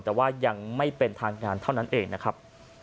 แต่ว่ายังไม่เป็นทางงานเท่านั้นเองนะครับ